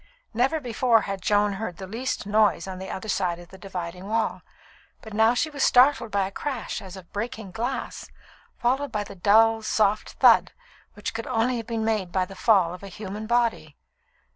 Never before had Joan heard the least noise on the other side of the dividing wall, but now she was startled by a crash as of breaking glass, followed by the dull, soft thud which could only have been made by the fall of a human body.